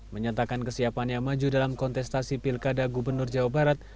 menyatakan kesiapannya maju dalam kontestasi pilkada gubernur jawa barat